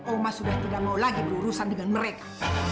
oma sudah tidak mau lagi berurusan dengan mereka